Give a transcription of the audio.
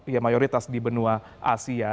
ya mayoritas di benua asia